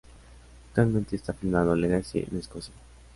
Actualmente, está filmando "Legacy" en Escocia.